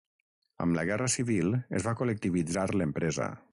Amb la Guerra Civil es va col·lectivitzar l'empresa.